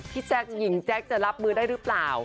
แจ๊คหญิงแจ๊คจะรับมือได้หรือเปล่า